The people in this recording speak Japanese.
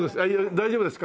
大丈夫ですか？